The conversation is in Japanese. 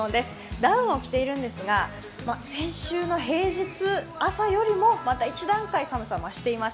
ダウンを着ているんですが先週の平日朝よりもまた一段階寒さは増しています。